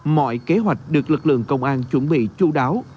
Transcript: mọi kế hoạch được lực lượng công an chuẩn bị chú đáo